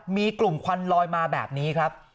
มีกลุ่มควันลอยมาแบบนี้ครับ